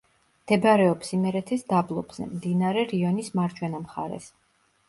მდებარეობს იმერეთის დაბლობზე, მდინარე რიონის მარჯვენა მხარეს.